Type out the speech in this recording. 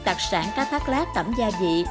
tạc sản cá thác lát tẩm gia vị